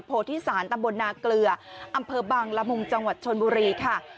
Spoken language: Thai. โพธิศาลตำบลนาเกลืออำเภอบังละมุงจังหวัดชนบุรีค่ะ